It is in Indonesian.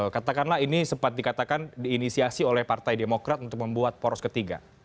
katakanlah ini sempat dikatakan diinisiasi oleh partai demokrat untuk membuat poros ketiga